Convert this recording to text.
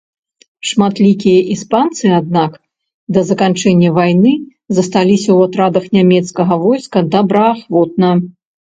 Шматлікія іспанцы, аднак, да заканчэння вайны засталіся ў атрадах нямецкага войска добраахвотна.